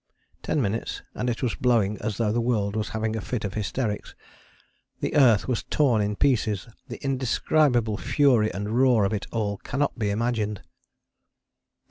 Ten minutes and it was blowing as though the world was having a fit of hysterics. The earth was torn in pieces: the indescribable fury and roar of it all cannot be imagined.